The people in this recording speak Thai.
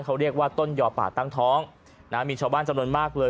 เขาเรียกว่าต้นยอป่าตั้งท้องนะมีชาวบ้านจำนวนมากเลย